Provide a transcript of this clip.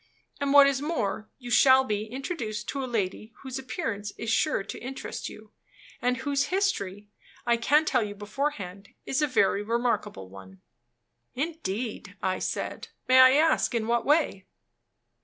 And what is more, you shall be introduced to a lady whose appearance is sure to interest you, and whose history, I can tell you beforehand, is a very remarkable one." "Indeed," I said. "May I ask in what way?"